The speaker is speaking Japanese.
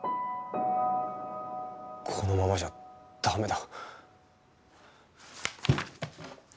このままじゃダメだ。